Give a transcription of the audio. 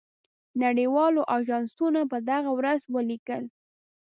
نړۍ والو آژانسونو په دغه ورځ ولیکل.